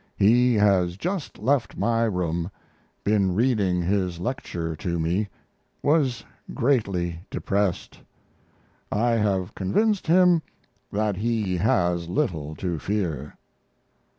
He has just left my room been reading his lecture to me was greatly depressed. I have convinced him that he has little to fear.